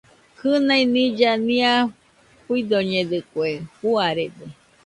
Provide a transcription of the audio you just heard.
Kɨnai nilla nia fuidoñedɨkue, juarede.